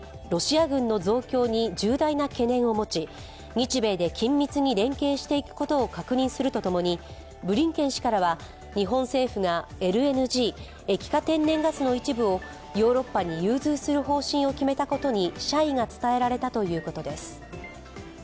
ロシア軍の増強に重大な懸念を持ち日米で緊密に連携していくことを確認するとともにブリンケン氏からは日本政府がＬＮＧ＝液化天然ガスの一部をヨーロッパに融通する方針を決めたことに謝意が伝えられたということです。